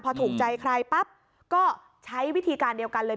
พอถูกใจใครปั๊บก็ใช้วิธีการเดียวกันเลย